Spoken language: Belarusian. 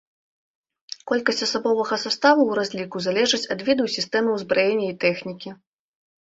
Колькасць асабовага саставу ў разліку залежыць ад віду і сістэмы ўзбраення і тэхнікі.